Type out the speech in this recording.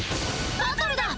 バトルだ！